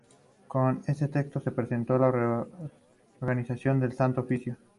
Con este texto se presentó la reorganización del Santo Oficio.